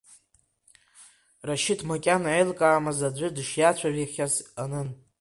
Рашьыҭ макьана еилкаамыз аӡәы дышиацәажәахьаз анын.